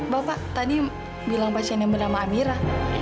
bapak tadi bilang pasien yang bernama amira